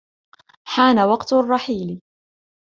حان وقت الرحيل.